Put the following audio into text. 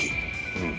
うん。